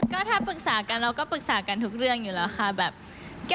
ก็ถ้าปรึกษากันเราก็ปรึกษากันทุกเรื่องอยู่แล้วค่ะแบบ